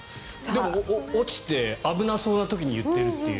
でも、落ちて危なそうな時に言っているという。